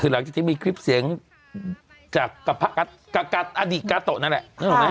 หรือหลังจากที่มีคลิปเสียงจากอดีตกาโตะนั้นแหละ